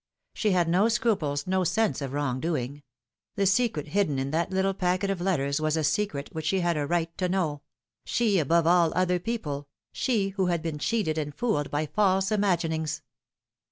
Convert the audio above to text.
She had no scruples, no sense of wrong doing. The secret hidden in that little packet of letters was a secret which she had a right to know she above all other people, she who had been cheated and fooled by false imaginings.